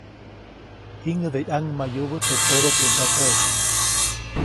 Jiŋʼäde ʼyaŋmayubä teʼ todo teʼ ndataʼis.